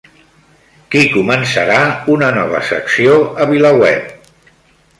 Qui començarà una nova secció a VilaWeb?